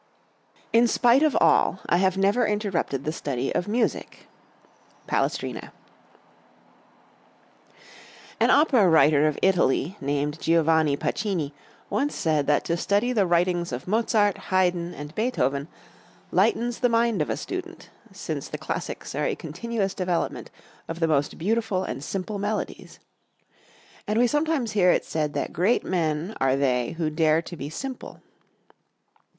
"In spite of all, I have never interrupted the study of music." Palestrina. An opera writer of Italy, named Giovanni Pacini, once said that to study the writings of Mozart, Haydn, and Beethoven "lightens the mind of a student, since the classics are a continuous development of the most beautiful and simple melodies," and we sometimes hear it said that great men are they who dare to be simple.